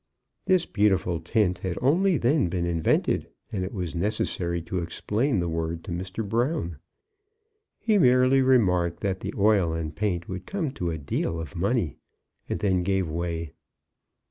This beautiful tint had only then been invented, and it was necessary to explain the word to Mr. Brown. He merely remarked that the oil and paint would come to a deal of money, and then gave way.